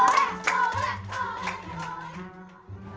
boleh boleh boleh boleh boleh boleh boleh